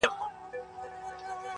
د مرګ او زندګۍ تر منځ یوه ساه فاصله ده